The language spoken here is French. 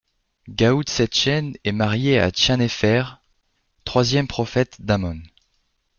Gaoutsechen est mariée à Tjanéfer, troisième prophète d'Amon.